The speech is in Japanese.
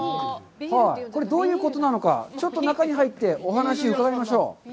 これ、どういうことなのか、ちょっと中に入ってお話を伺いましょう。